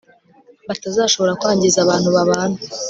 batazashobora kwangiza abantu babana